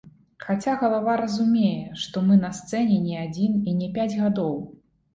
Хаця галава разумее, што мы на сцэне не адзін і не пяць гадоў.